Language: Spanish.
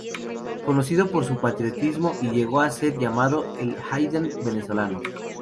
Conocido por su patriotismo y llegó a ser llamado "el Haydn venezolano".